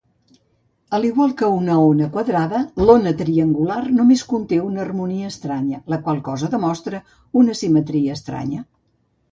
Al igual que una ona quadrada, l"ona triangular només conté una harmonia estranya, la qual cosa demostra una simetria estranya.